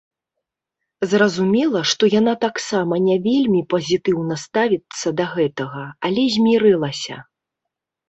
Зразумела, што яна таксама не вельмі пазітыўна ставіцца да гэтага, але змірылася.